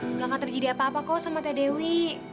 nggak terjadi apa apa kok sama teh dewi